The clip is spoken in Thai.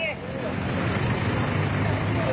เยี่ยมมากครับ